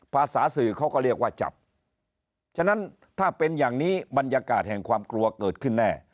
ภาษาสื่อเขาก็เรียกว่าจับฉะนั้นถ้าเป็นอย่างนี้บรรยากาศแห่งความกลัวเกิดขึ้นแน่